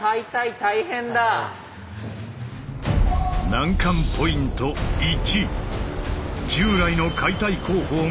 難関ポイント１。